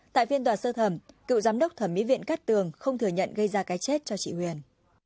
tại phiên tòa sơ thẩm cựu giám đốc thẩm mỹ viện cát tường không thừa nhận gây ra cái chết cho chị huyền